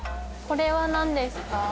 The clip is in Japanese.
これは何ですか？